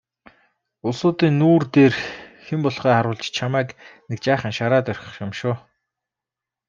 Улсуудын нүүр дээр хэн болохоо харуулж чамайг нэг жаахан шараад орхих юм шүү.